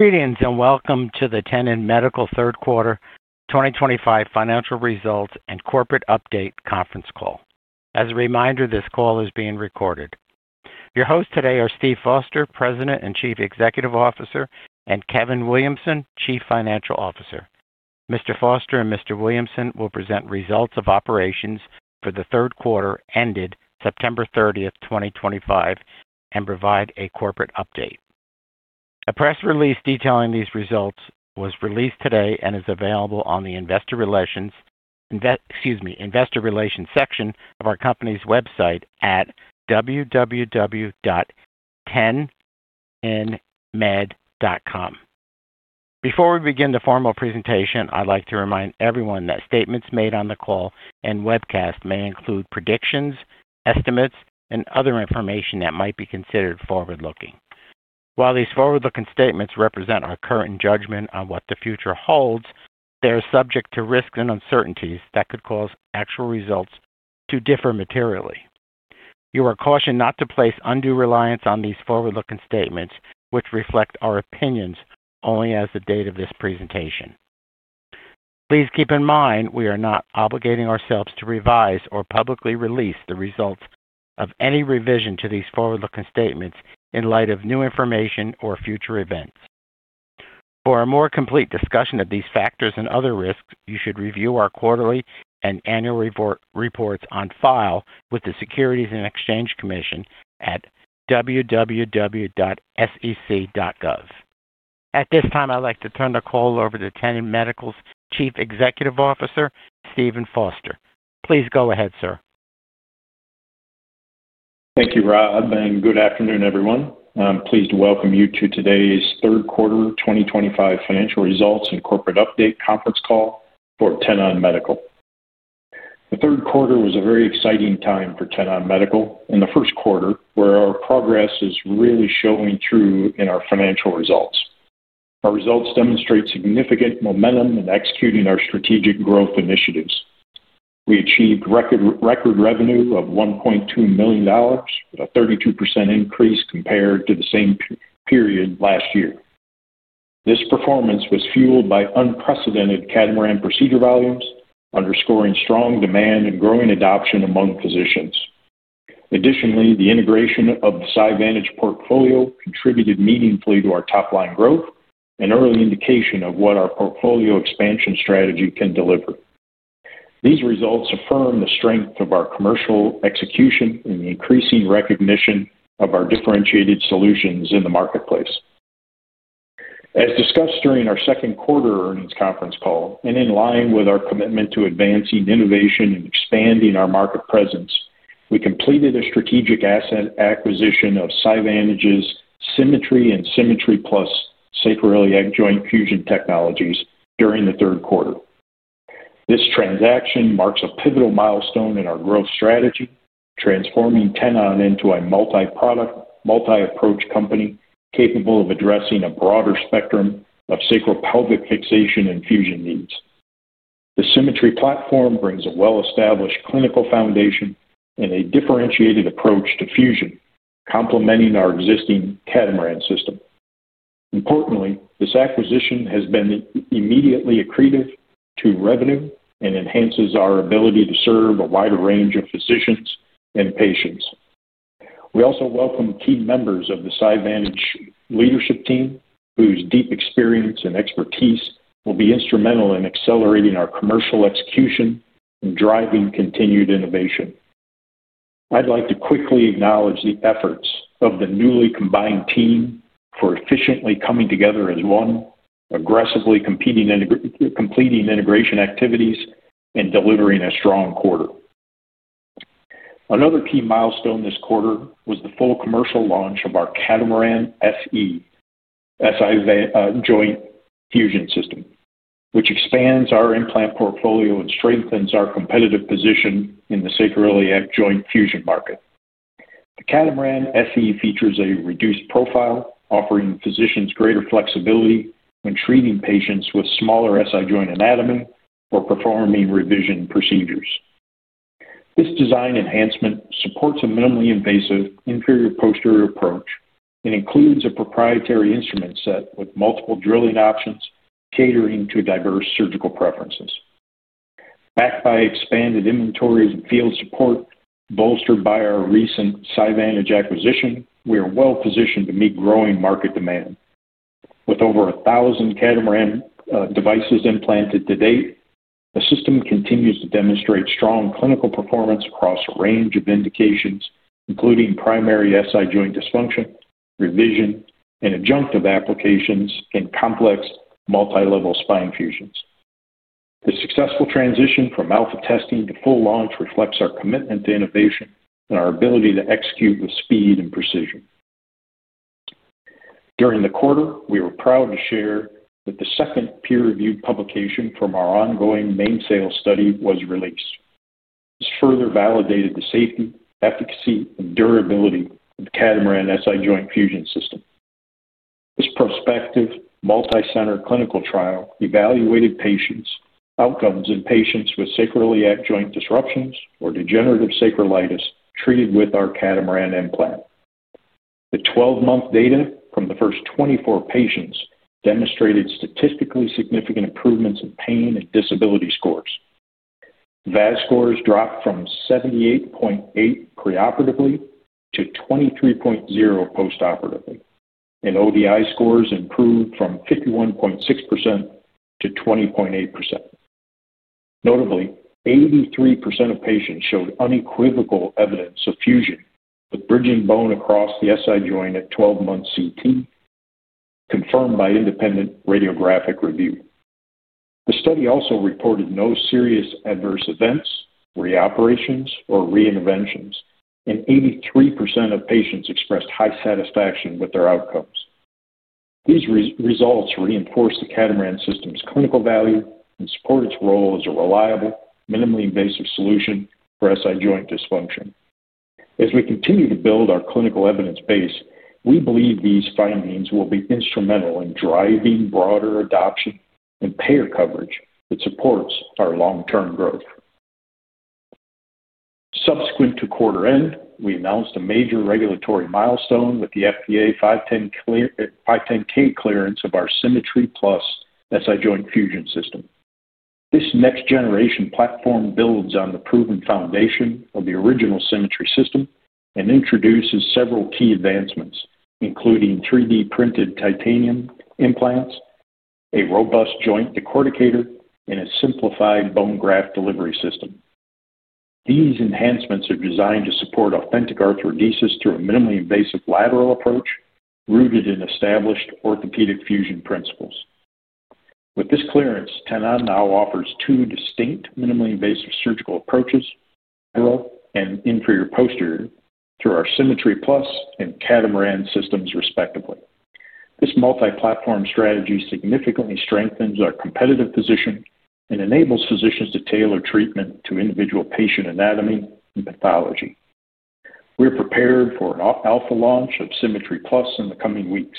Greetings and welcome to the Tenon Medical third quarter 2025 financial results and corporate update conference call. As a reminder, this call is being recorded. Your hosts today are Steve Foster, President and Chief Executive Officer, and Kevin Williamson, Chief Financial Officer. Mr. Foster and Mr. Williamson will present results of operations for the third quarter ended September 30th, 2025, and provide a corporate update. A press release detailing these results was released today and is available on the Investor Relations section of our company's website at www.tenonmed.com. Before we begin the formal presentation, I'd like to remind everyone that statements made on the call and webcast may include predictions, estimates, and other information that might be considered forward-looking. While these forward-looking statements represent our current judgment on what the future holds, they are subject to risks and uncertainties that could cause actual results to differ materially. You are cautioned not to place undue reliance on these forward-looking statements, which reflect our opinions only as the date of this presentation. Please keep in mind we are not obligating ourselves to revise or publicly release the results of any revision to these forward-looking statements in light of new information or future events. For a more complete discussion of these factors and other risks, you should review our quarterly and annual reports on file with the Securities and Exchange Commission at www.sec.gov. At this time, I'd like to turn the call over to Tenon Medical's Chief Executive Officer, Steven Foster. Please go ahead, sir. Thank you, Rob, and good afternoon, everyone. I'm pleased to welcome you to today's third quarter 2025 financial results and corporate update conference call for Tenon Medical. The third quarter was a very exciting time for Tenon Medical, and the first quarter where our progress is really showing through in our financial results. Our results demonstrate significant momentum in executing our strategic growth initiatives. We achieved record revenue of $1.2 million, a 32% increase compared to the same period last year. This performance was fueled by unprecedented Catamaran procedure volumes, underscoring strong demand and growing adoption among physicians. Additionally, the integration of the SiVantage portfolio contributed meaningfully to our top-line growth, an early indication of what our portfolio expansion strategy can deliver. These results affirm the strength of our commercial execution and the increasing recognition of our differentiated solutions in the marketplace. As discussed during our second quarter earnings conference call, and in line with our commitment to advancing innovation and expanding our market presence, we completed a strategic asset acquisition of SiVantage's SImmetry and SImmetry+ sacroiliac joint fusion technologies during the third quarter. This transaction marks a pivotal milestone in our growth strategy, transforming Tenon into a multi-product, multi-approach company capable of addressing a broader spectrum of sacral pelvic fixation and fusion needs. The SImmetry platform brings a well-established clinical foundation and a differentiated approach to fusion, complementing our existing Catamaran System. Importantly, this acquisition has been immediately accretive to revenue and enhances our ability to serve a wider range of physicians and patients. We also welcome key members of the SiVantage leadership team, whose deep experience and expertise will be instrumental in accelerating our commercial execution and driving continued innovation. I'd like to quickly acknowledge the efforts of the newly combined team for efficiently coming together as one, aggressively completing integration activities, and delivering a strong quarter. Another key milestone this quarter was the full commercial launch of our Catamaran SE, a Joint Fusion System, which expands our implant portfolio and strengthens our competitive position in the sacroiliac joint fusion market. The Catamaran SE features a reduced profile, offering physicians greater flexibility when treating patients with smaller SI joint anatomy or performing revision procedures. This design enhancement supports a minimally invasive inferior-posterior approach and includes a proprietary instrument set with multiple drilling options, catering to diverse surgical preferences. Backed by expanded inventories and field support, bolstered by our recent SiVantage acquisition, we are well positioned to meet growing market demand. With over 1,000 Catamaran devices implanted to date, the System continues to demonstrate strong clinical performance across a range of indications, including primary SI joint dysfunction, revision, and adjunctive applications in complex multilevel spine fusions. The successful transition from alpha testing to full launch reflects our commitment to innovation and our ability to execute with speed and precision. During the quarter, we were proud to share that the second peer-reviewed publication from our ongoing MAINSAIL Study was released. This further validated the safety, efficacy, and durability of the Catamaran SI Joint Fusion System. This prospective multi-center clinical trial evaluated outcomes in patients with sacroiliac joint disruptions or degenerative sacroiliitis treated with our Catamaran implant. The 12-month data from the first 24 patients demonstrated statistically significant improvements in pain and disability scores. VAS scores dropped from 78.8 preoperatively to 23.0 postoperatively, and ODI scores improved from 51.6% to 20.8%. Notably, 83% of patients showed unequivocal evidence of fusion, with bridging bone across the SI joint at 12-month CT, confirmed by independent radiographic review. The study also reported no serious adverse events, re-operations, or re-interventions, and 83% of patients expressed high satisfaction with their outcomes. These results reinforce the Catamaran System's clinical value and support its role as a reliable, minimally invasive solution for SI joint dysfunction. As we continue to build our clinical evidence base, we believe these findings will be instrumental in driving broader adoption and payer coverage that supports our long-term growth. Subsequent to quarter end, we announced a major regulatory milestone with the FDA 510(k) clearance of our SImmetry+ SI Joint Fusion System. This next-generation platform builds on the proven foundation of the original SImmetry System and introduces several key advancements, including 3D-printed titanium implants, a robust joint decorticator, and a simplified bone graft delivery System. These enhancements are designed to support authentic arthrodesis through a minimally invasive lateral approach rooted in established orthopedic fusion principles. With this clearance, Tenon now offers two distinct minimally invasive surgical approaches, lateral and inferior-posterior, through our SImmetry+ and Catamaran Systems, respectively. This multi-platform strategy significantly strengthens our competitive position and enables physicians to tailor treatment to individual patient anatomy and pathology. We're prepared for an alpha launch of SImmetry+ in the coming weeks.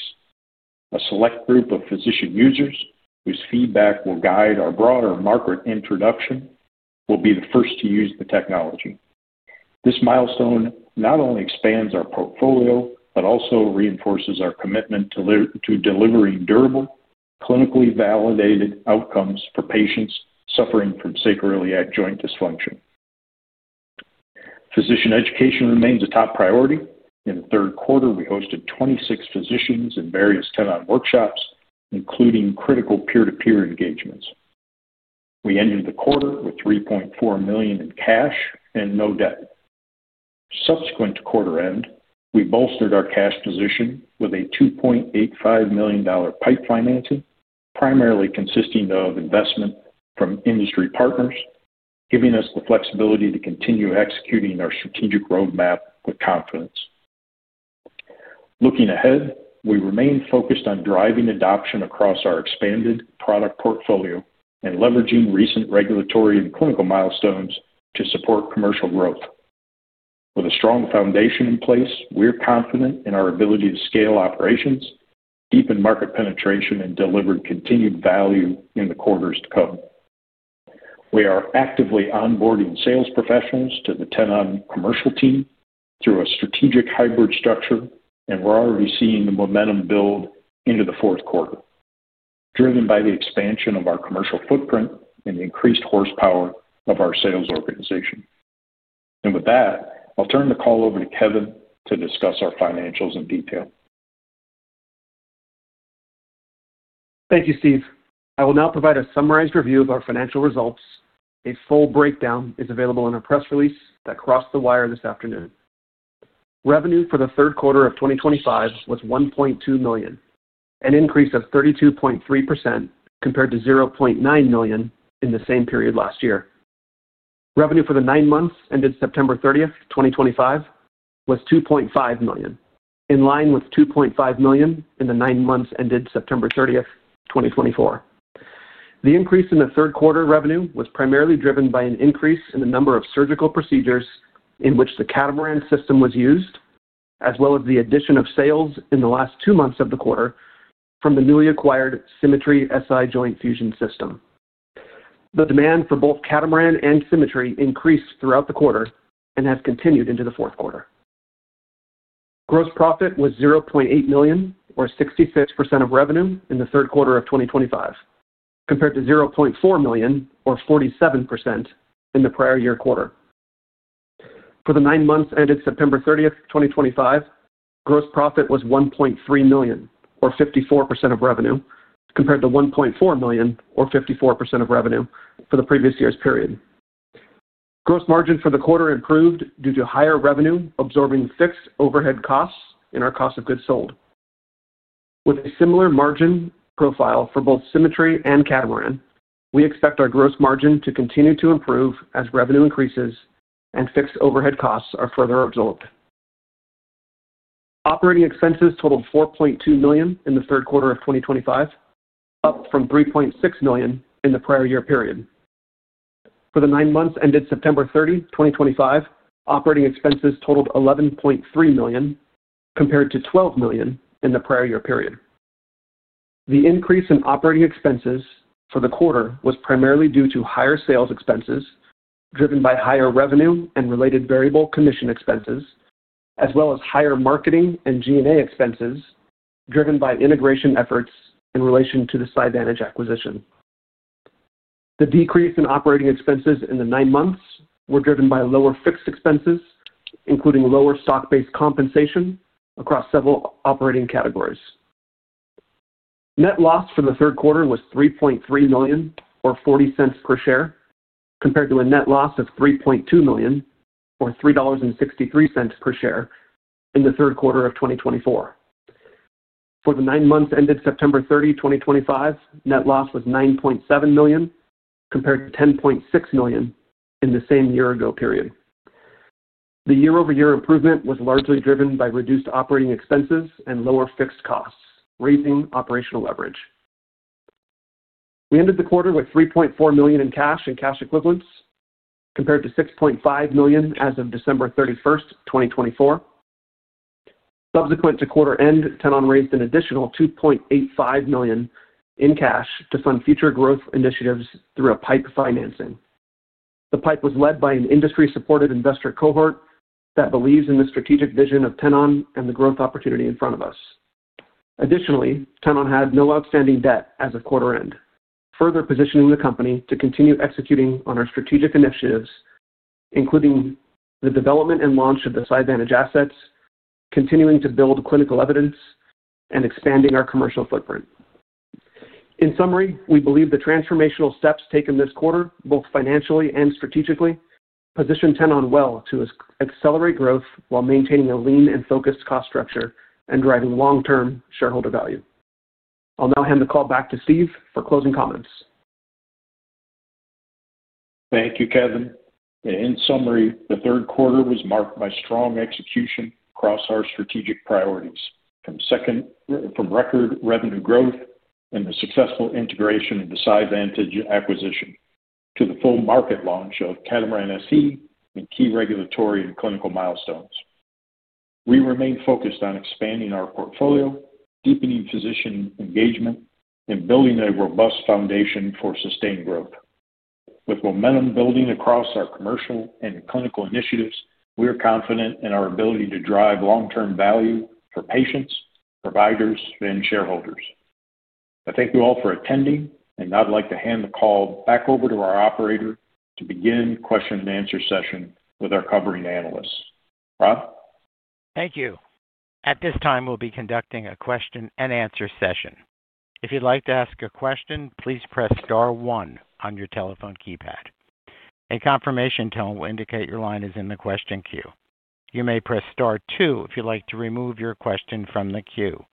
A select group of physician users, whose feedback will guide our broader market introduction, will be the first to use the technology. This milestone not only expands our portfolio but also reinforces our commitment to delivering durable, clinically validated outcomes for patients suffering from sacroiliac joint dysfunction. Physician education remains a top priority. In the third quarter, we hosted 26 physicians in various Tenon workshops, including critical peer-to-peer engagements. We ended the quarter with $3.4 million in cash and no debt. Subsequent to quarter-end, we bolstered our cash position with a $2.85 million pipe financing, primarily consisting of investment from industry partners, giving us the flexibility to continue executing our strategic roadmap with confidence. Looking ahead, we remain focused on driving adoption across our expanded product portfolio and leveraging recent regulatory and clinical milestones to support commercial growth. With a strong foundation in place, we're confident in our ability to scale operations, deepen market penetration, and deliver continued value in the quarters to come. We are actively onboarding sales professionals to the Tenon commercial team through a strategic hybrid structure, and we're already seeing the momentum build into the fourth quarter, driven by the expansion of our commercial footprint and the increased horsepower of our sales organization. With that, I'll turn the call over to Kevin to discuss our financials in detail. Thank you, Steve. I will now provide a summarized review of our financial results. A full breakdown is available in a press release that crossed the wire this afternoon. Revenue for the third quarter of 2025 was $1.2 million, an increase of 32.3% compared to $0.9 million in the same period last year. Revenue for the nine months ended September 30th, 2025, was $2.5 million, in line with $2.5 million in the nine months ended September 30th, 2024. The increase in the third quarter revenue was primarily driven by an increase in the number of surgical procedures in which the Catamaran System was used, as well as the addition of sales in the last two months of the quarter from the newly acquired SImmetry SI Joint Fusion System. The demand for both Catamaran and SImmetry increased throughout the quarter and has continued into the fourth quarter. Gross profit was $0.8 million, or 66% of revenue in the third quarter of 2025, compared to $0.4 million, or 47%, in the prior year quarter. For the nine months ended September 30th, 2025, gross profit was $1.3 million, or 54% of revenue, compared to $1.4 million, or 54% of revenue, for the previous year's period. Gross margin for the quarter improved due to higher revenue absorbing fixed overhead costs in our cost of goods sold. With a similar margin profile for both SImmetry and Catamaran, we expect our gross margin to continue to improve as revenue increases and fixed overhead costs are further absorbed. Operating expenses totaled $4.2 million in the third quarter of 2025, up from $3.6 million in the prior year period. For the nine months ended September 30, 2025, operating expenses totaled $11.3 million, compared to $12 million in the prior year period. The increase in operating expenses for the quarter was primarily due to higher sales expenses driven by higher revenue and related variable commission expenses, as well as higher marketing and G&A expenses driven by integration efforts in relation to the SiVantage acquisition. The decrease in operating expenses in the nine months was driven by lower fixed expenses, including lower stock-based compensation across several operating categories. Net loss for the third quarter was $3.3 million, or $0.40 per share, compared to a net loss of $3.2 million, or $3.63 per share, in the third quarter of 2024. For the nine months ended September 30, 2025, net loss was $9.7 million, compared to $10.6 million in the same year-ago period. The year-over-year improvement was largely driven by reduced operating expenses and lower fixed costs, raising operational leverage. We ended the quarter with $3.4 million in cash and cash equivalents, compared to $6.5 million as of December 31st, 2024. Subsequent to quarter end, Tenon raised an additional $2.85 million in cash to fund future growth initiatives through a pipe financing. The pipe was led by an industry-supported investor cohort that believes in the strategic vision of Tenon and the growth opportunity in front of us. Additionally, Tenon had no outstanding debt as of quarter end, further positioning the company to continue executing on our strategic initiatives, including the development and launch of the SiVantage assets, continuing to build clinical evidence, and expanding our commercial footprint. In summary, we believe the transformational steps taken this quarter, both financially and strategically, position Tenon well to accelerate growth while maintaining a lean and focused cost structure and driving long-term shareholder value. I'll now hand the call back to Steve for closing comments. Thank you, Kevin. In summary, the third quarter was marked by strong execution across our strategic priorities, from record revenue growth and the successful integration of the SiVantage acquisition to the full market launch of Catamaran SE and key regulatory and clinical milestones. We remain focused on expanding our portfolio, deepening physician engagement, and building a robust foundation for sustained growth. With momentum building across our commercial and clinical initiatives, we are confident in our ability to drive long-term value for patients, providers, and shareholders. I thank you all for attending, and I'd like to hand the call back over to our operator to begin the question-and-answer session with our covering analysts. Rob? Thank you. At this time, we'll be conducting a question-and-answer session. If you'd like to ask a question, please press star one on your telephone keypad. A confirmation tone will indicate your line is in the question queue. You may press star two if you'd like to remove your question from the queue.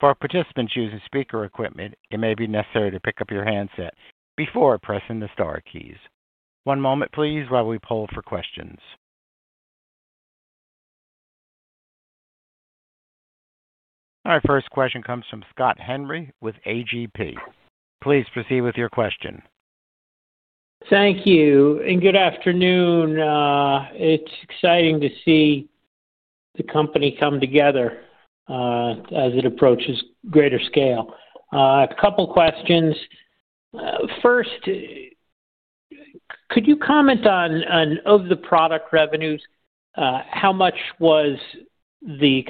For participants using speaker equipment, it may be necessary to pick up your handset before pressing the star keys. One moment, please, while we poll for questions. Our first question comes from Scott Henry with AGP. Please proceed with your question. Thank you, and good afternoon. It's exciting to see the company come together as it approaches greater scale. A couple of questions. First, could you comment on, of the product revenues, how much was the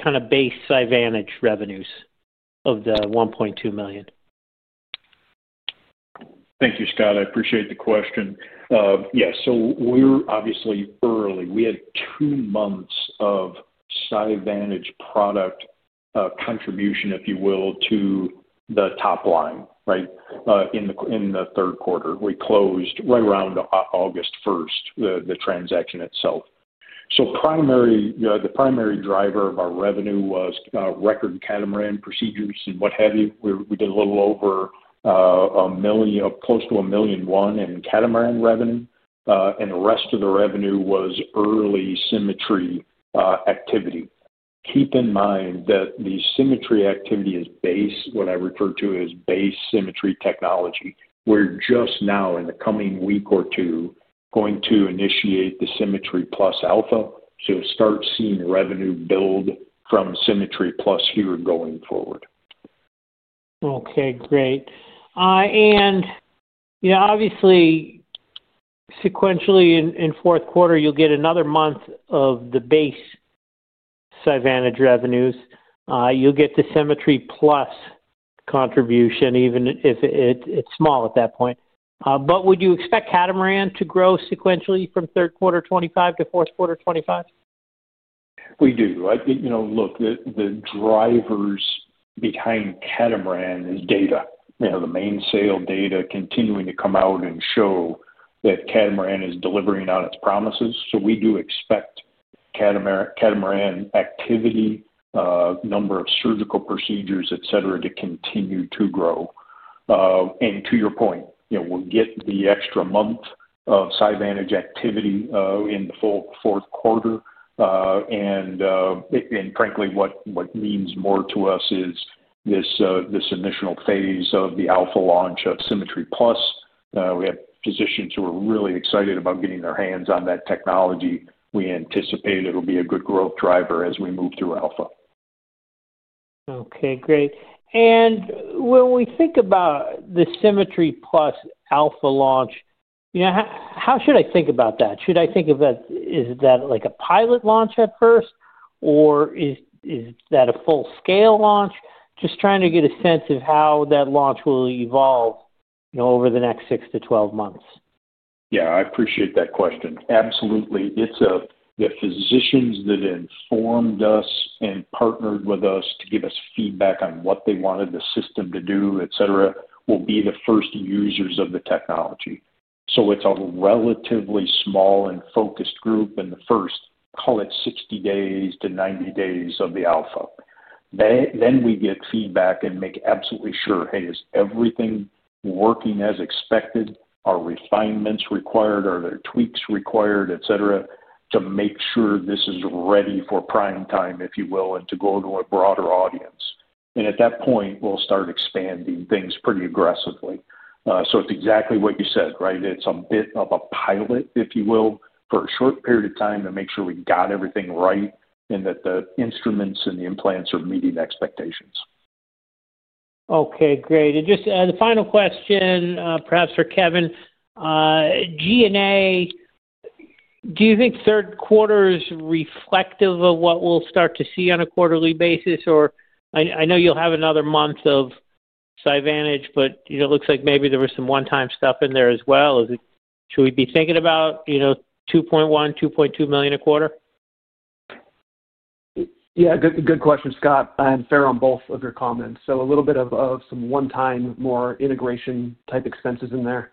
kind of base SiVantage revenues of the $1.2 million? Thank you, Scott. I appreciate the question. Yes, so we're obviously early. We had two months of SiVantage product contribution, if you will, to the top line, right, in the third quarter. We closed right around August 1st, the transaction itself. The primary driver of our revenue was record Catamaran procedures and what have you. We did a little over $1 million, close to $1.1 million in Catamaran revenue, and the rest of the revenue was early SImmetry activity. Keep in mind that the SImmetry activity is base, what I refer to as base SImmetry technology. We're just now, in the coming week or two, going to initiate the SImmetry+ alpha, so start seeing revenue build from SImmetry+ here going forward. Okay, great. Obviously, sequentially in fourth quarter, you'll get another month of the base SiVantage revenues. You'll get the SImmetry+ contribution, even if it's small at that point. Would you expect Catamaran to grow sequentially from third quarter 2025 to fourth quarter 2025? We do. Look, the drivers behind Catamaran is data. The MAINSAIL data continuing to come out and show that Catamaran is delivering on its promises. We do expect Catamaran activity, number of surgical procedures, etc., to continue to grow. To your point, we'll get the extra month of SiVantage activity in the full fourth quarter. Frankly, what means more to us is this initial phase of the alpha launch of SImmetry+. We have physicians who are really excited about getting their hands on that technology. We anticipate it'll be a good growth driver as we move through alpha. Okay, great. When we think about the SImmetry+ alpha launch, how should I think about that? Should I think of it as a pilot launch at first, or is that a full-scale launch? Just trying to get a sense of how that launch will evolve over the next 6-12 months. Yeah, I appreciate that question. Absolutely. The physicians that informed us and partnered with us to give us feedback on what they wanted the system to do, etc., will be the first users of the technology. It is a relatively small and focused group in the first, call it, 60-90 days of the alpha. We get feedback and make absolutely sure, "Hey, is everything working as expected? Are refinements required? Are there tweaks required?" etc., to make sure this is ready for prime time, if you will, and to go to a broader audience. At that point, we will start expanding things pretty aggressively. It is exactly what you said, right? It is a bit of a pilot, if you will, for a short period of time to make sure we got everything right and that the instruments and the implants are meeting expectations. Okay, great. And just the final question, perhaps for Kevin. G&A, do you think third quarter is reflective of what we'll start to see on a quarterly basis? Or I know you'll have another month of SiVantage, but it looks like maybe there was some one-time stuff in there as well. Should we be thinking about $2.1 million-$2.2 million a quarter? Yeah, good question, Scott. Fair on both of your comments. A little bit of some one-time more integration-type expenses in there,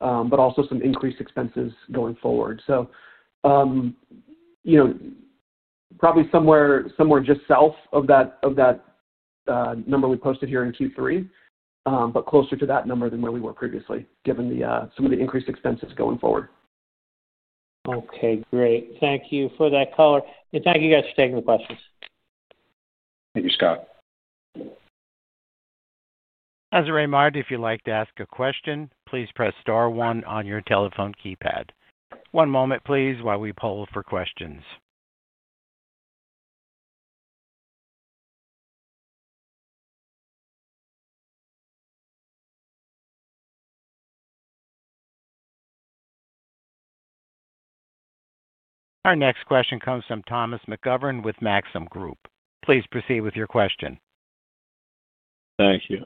but also some increased expenses going forward. Probably somewhere just south of that number we posted here in Q3, but closer to that number than where we were previously, given some of the increased expenses going forward. Okay, great. Thank you for that color. Thank you guys for taking the questions. Thank you, Scott. As a reminder, if you'd like to ask a question, please press star one on your telephone keypad. One moment, please, while we poll for questions. Our next question comes from Thomas McGovern with Maxim Group. Please proceed with your question. Thank you.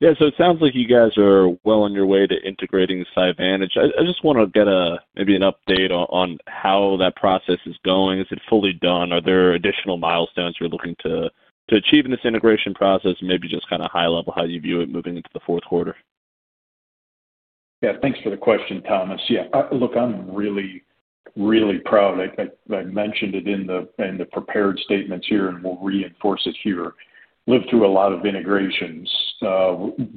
Yeah, so it sounds like you guys are well on your way to integrating SiVantage. I just want to get maybe an update on how that process is going. Is it fully done? Are there additional milestones you're looking to achieve in this integration process? Maybe just kind of high-level how you view it moving into the fourth quarter. Yeah, thanks for the question, Thomas. Yeah, look, I'm really, really proud. I mentioned it in the prepared statements here, and I'll reinforce it here. I've lived through a lot of integrations,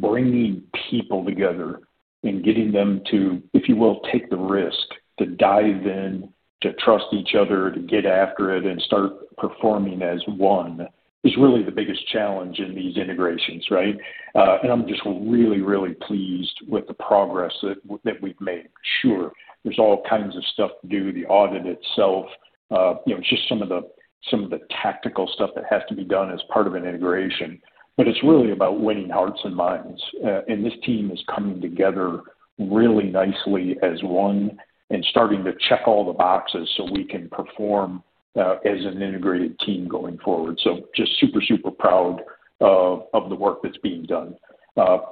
bringing people together and getting them to, if you will, take the risk to dive in, to trust each other, to get after it, and start performing as one is really the biggest challenge in these integrations, right? I'm just really, really pleased with the progress that we've made. Sure, there's all kinds of stuff to do, the audit itself, just some of the tactical stuff that has to be done as part of an integration. It's really about winning hearts and minds. This team is coming together really nicely as one and starting to check all the boxes so we can perform as an integrated team going forward. Just super, super proud of the work that's being done.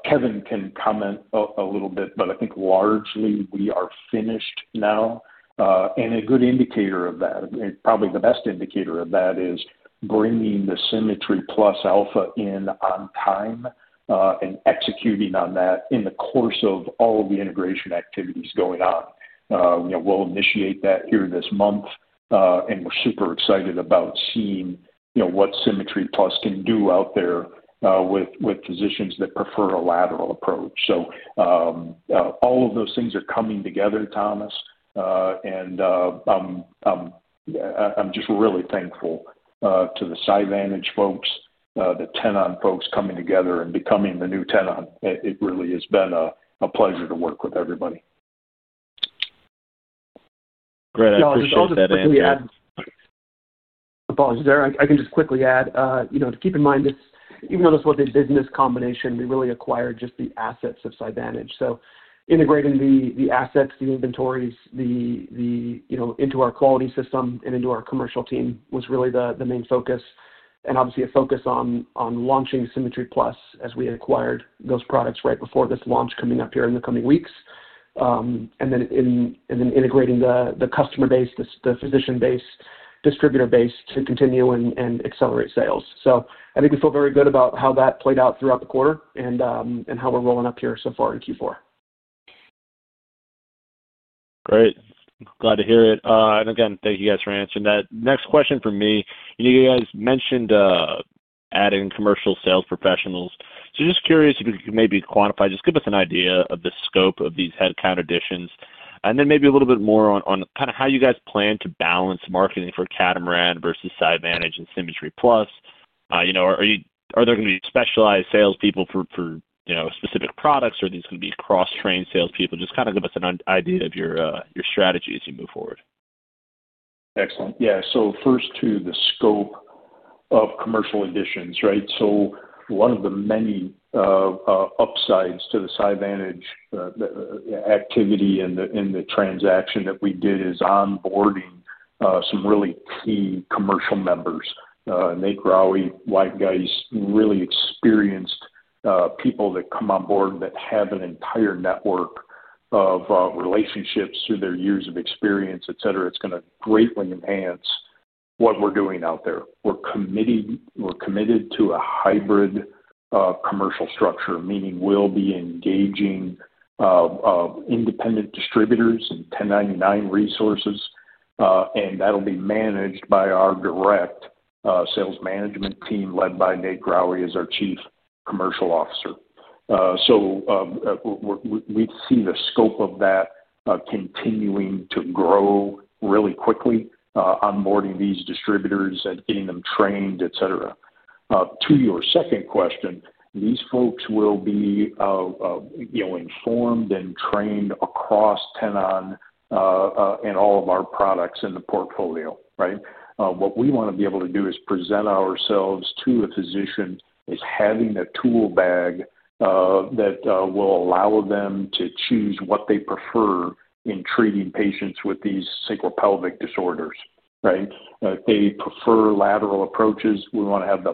Kevin can comment a little bit, but I think largely we are finished now. A good indicator of that, probably the best indicator of that, is bringing the SImmetry+ alpha in on time and executing on that in the course of all the integration activities going on. We'll initiate that here this month, and we're super excited about seeing what SImmetry+ can do out there with physicians that prefer a lateral approach. All of those things are coming together, Thomas, and I'm just really thankful to the SiVantage folks, the Tenon folks coming together and becoming the new Tenon. It really has been a pleasure to work with everybody. Great. I appreciate that answer. Yeah, I'll just quickly add, Paul, I can just quickly add, to keep in mind, even though this was a business combination, we really acquired just the assets of SiVantage. Integrating the assets, the inventories, into our quality System and into our commercial team was really the main focus. Obviously, a focus on launching SImmetry+ as we acquired those products right before this launch coming up here in the coming weeks. Then integrating the customer base, the physician base, distributor base to continue and accelerate sales. I think we feel very good about how that played out throughout the quarter and how we're rolling up here so far in Q4. Great. Glad to hear it. Again, thank you guys for answering that. Next question for me. You guys mentioned adding commercial sales professionals. Just curious if you could maybe quantify, just give us an idea of the scope of these headcount additions. Maybe a little bit more on kind of how you guys plan to balance marketing for Catamaran versus SiVantage and SImmetry+. Are there going to be specialized salespeople for specific products, or are these going to be cross-trained salespeople? Just kind of give us an idea of your strategy as you move forward. Excellent. Yeah. First to the scope of commercial additions, right? One of the many upsides to the SiVantage activity and the transaction that we did is onboarding some really key commercial members. Nate Grawey, wife guys, really experienced people that come on board that have an entire network of relationships through their years of experience, etc. It's going to greatly enhance what we're doing out there. We're committed to a hybrid commercial structure, meaning we'll be engaging independent distributors and 1099 resources, and that'll be managed by our direct sales management team led by Nate Grawey as our Chief Commercial Officer. We see the scope of that continuing to grow really quickly, onboarding these distributors and getting them trained, etc. To your second question, these folks will be informed and trained across Tenon and all of our products in the portfolio, right? What we want to be able to do is present ourselves to a physician as having a tool bag that will allow them to choose what they prefer in treating patients with these sacral pelvic disorders, right? If they prefer lateral approaches, we want to have the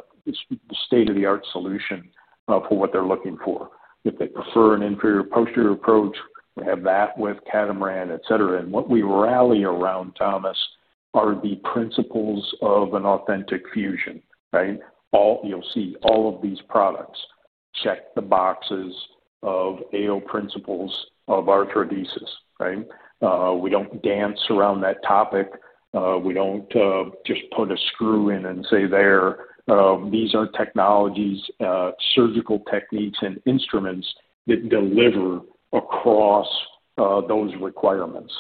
state-of-the-art solution for what they're looking for. If they prefer an inferior-posterior approach, we have that with Catamaran, etc. What we rally around, Thomas, are the principles of an authentic fusion, right? You'll see all of these products check the boxes of AO principles of arthrodesis, right? We don't dance around that topic. We don't just put a screw in and say, "There." These are technologies, surgical techniques, and instruments that deliver across those requirements.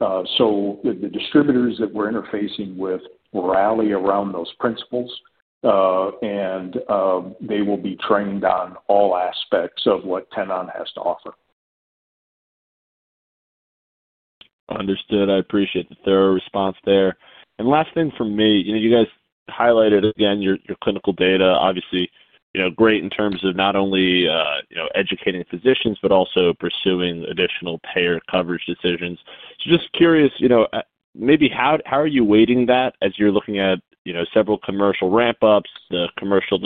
The distributors that we're interfacing with rally around those principles, and they will be trained on all aspects of what Tenon has to offer. Understood. I appreciate the thorough response there. Last thing for me, you guys highlighted, again, your clinical data, obviously great in terms of not only educating physicians, but also pursuing additional payer coverage decisions. Just curious, maybe how are you weighting that as you're looking at several commercial ramp-ups, the commercial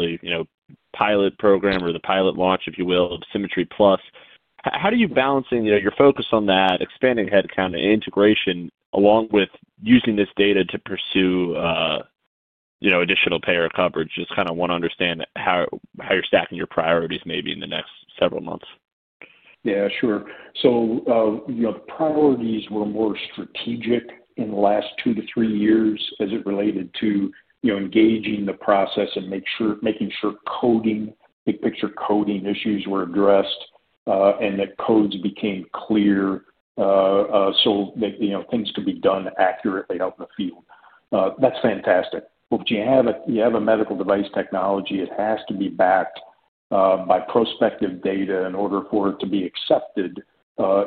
pilot program or the pilot launch, if you will, of SImmetry+? How are you balancing your focus on that, expanding headcount and integration, along with using this data to pursue additional payer coverage? Just kind of want to understand how you're stacking your priorities maybe in the next several months. Yeah, sure. The priorities were more strategic in the last two to three years as it related to engaging the process and making sure coding, big-picture coding issues were addressed and that codes became clear so that things could be done accurately out in the field. That's fantastic. You have a medical device technology. It has to be backed by prospective data in order for it to be accepted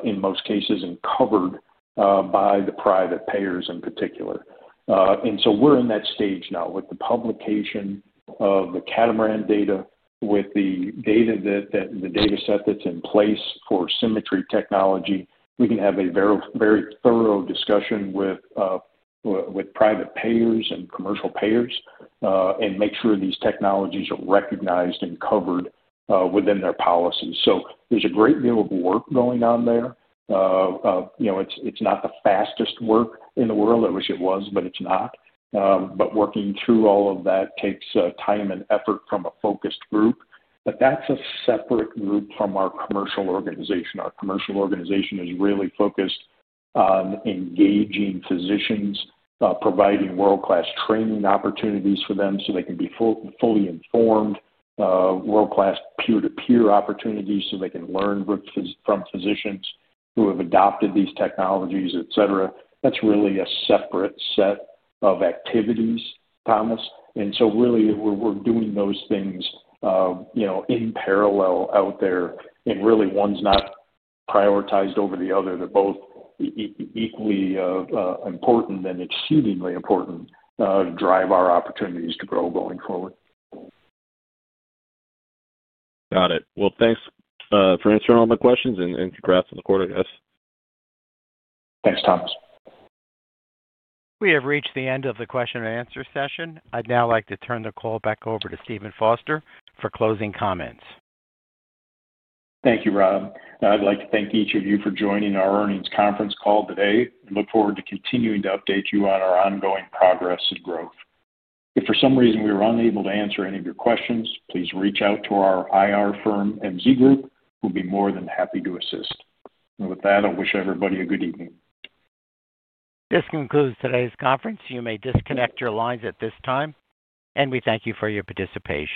in most cases and covered by the private payers in particular. We are in that stage now with the publication of the Catamaran data, with the data set that's in place for SImmetry technology. We can have a very thorough discussion with private payers and commercial payers and make sure these technologies are recognized and covered within their policies. There is a great deal of work going on there. It's not the fastest work in the world. I wish it was, but it's not. Working through all of that takes time and effort from a focused group. That is a separate group from our commercial organization. Our commercial organization is really focused on engaging physicians, providing world-class training opportunities for them so they can be fully informed, world-class peer-to-peer opportunities so they can learn from physicians who have adopted these technologies, etc. That is really a separate set of activities, Thomas. We are doing those things in parallel out there. Really, one is not prioritized over the other. They are both equally important and exceedingly important to drive our opportunities to grow going forward. Got it. Thanks for answering all my questions and congrats on the quarter, guys. Thanks, Thomas. We have reached the end of the question-and-answer session. I'd now like to turn the call back over to Steven Foster for closing comments. Thank you, Rob. I'd like to thank each of you for joining our earnings conference call today and look forward to continuing to update you on our ongoing progress and growth. If for some reason we were unable to answer any of your questions, please reach out to our IR firm MZ Group. We'll be more than happy to assist. I wish everybody a good evening. This concludes today's conference. You may disconnect your lines at this time. We thank you for your participation.